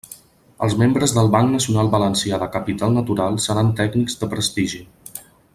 Els membres del Banc Nacional Valencià de Capital Natural seran tècnics de prestigi.